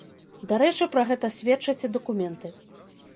Дарэчы, пра гэта сведчаць і дакументы.